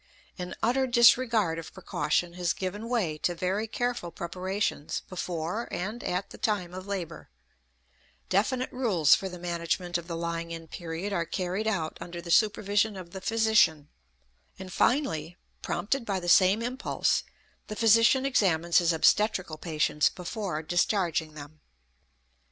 An utter disregard of precaution has given way to very careful preparations before and at the time of labor; definite rules for the management of the lying in period are carried out under the supervision of the physician; and finally, prompted by the same impulse, the physician examines his obstetrical patients before discharging them.